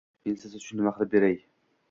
Men siz uchun nima qilib beray?